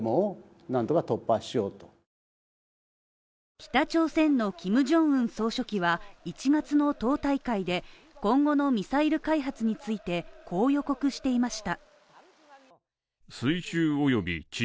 北朝鮮のキムジョンウン総書記は１月の党大会で、今後のミサイル開発について予告していました。